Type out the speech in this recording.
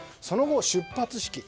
その後、出発式。